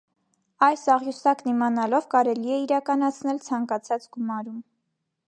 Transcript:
Այս աղյուսակն իմանալով, կարելի է իրականացնել ցանկացած գումարում։